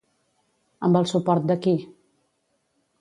Amb el suport de qui?